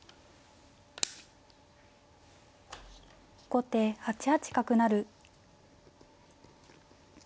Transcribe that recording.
後手８八角成。